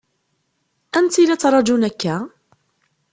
Anta i la ttṛaǧun akka?